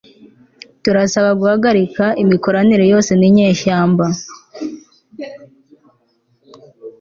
turasaba guhagarika imikoranire yose ninyeshyamba